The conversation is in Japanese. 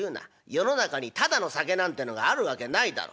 世の中にタダの酒なんてのがあるわけないだろ。